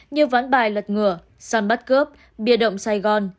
như ván bài lật ngửa săn bắt cướp bia động sài gòn